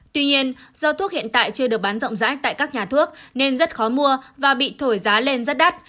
tuy nhiên do thuốc hiện tại chưa được bán rộng rãi tại các nhà thuốc nên rất khó mua và bị thổi giá lên rất đắt